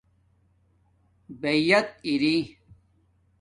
بایت اریݵ